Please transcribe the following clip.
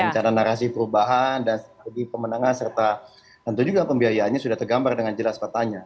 rencana narasi perubahan dan strategi pemenangan serta tentu juga pembiayaannya sudah tergambar dengan jelas petanya